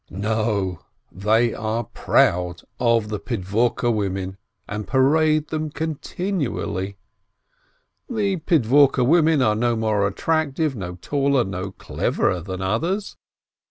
No, they are proud of the Pidvorke women, and parade them continually. The Pidvorke women are no more attractive, no taller, no cleverer than others.